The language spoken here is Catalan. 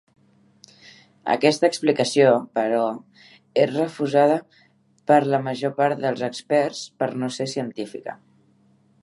Aquesta explicació, però, és refusada per la major part dels experts per no ser científica.